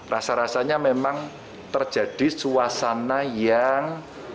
rasa rasanya memang terjadi suasana yang